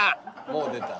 もう出た。